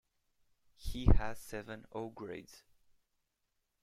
"He has seven O-Grades".